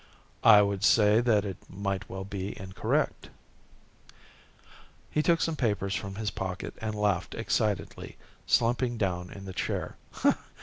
"I would say that it might well be incorrect." He took some papers from his pocket and laughed excitedly, slumping down in the chair.